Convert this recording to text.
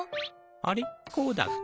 あれこうだっけ？